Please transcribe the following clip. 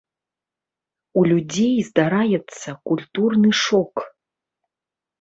У людзей здараецца культурны шок.